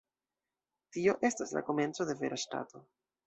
Tio estas la komenco de vera ŝtato.